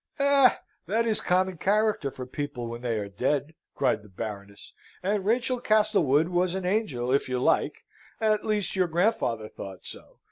"Eh! That is a common character for people when they are dead!" cried the Baroness; "and Rachel Castlewood was an angel, if you like at least your grandfather thought so.